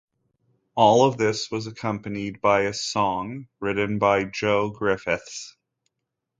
All of this was accompanied by a song, written by Joe Griffiths.